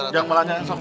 jangan malah nyansok